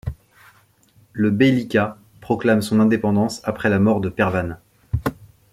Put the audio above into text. Le beylicat proclame son indépendance après la mort de Pervane.